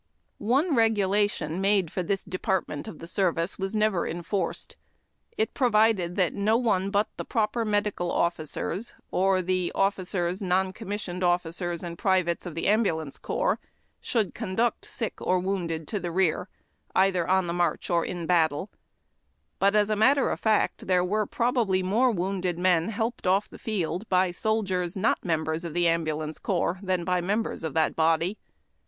One regulation made for this department of the service was never enforced. It provided that no one but the I^roper medical officers or the officers, non commissioned officers, and privates of the ambulance corps should conduct sick or wounded to the rear, either on the march or in battle, CARRYING A WOUNDED MAN TO THE REAR. but as a matter of fact there were probably more wounded men helped off the field by soldiers not members of the ambulance corps than by members of that body.